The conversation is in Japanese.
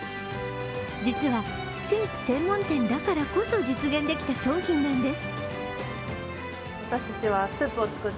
実は、スープ専門店だからこそ実現できた商品なんです。